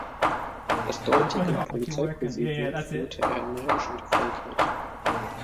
Das dortige Polizeipräsidium führte er energisch und erfolgreich.